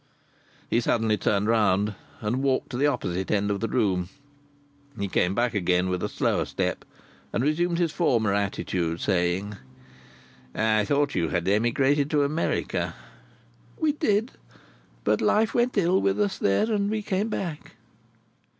He suddenly turned about, and walked to the opposite end of the room. He came back again with a slower step, and resumed his former attitude, saying: "I thought you had emigrated to America?" "We did. But life went ill with us there, and we came back."